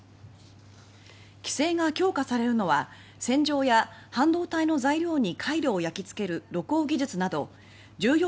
規制が強化されるのは洗浄や半導体の材料に回路を焼きつける露光技術など１４